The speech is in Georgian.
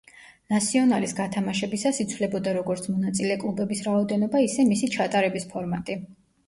ნასიონალის გათამაშებისას იცვლებოდა როგორც მონაწილე კლუბების რაოდენობა, ისე მისი ჩატარების ფორმატი.